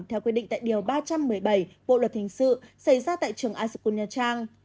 theo quy định tại điều ba trăm một mươi bảy bộ luật hình sự xảy ra tại trường asukunya chang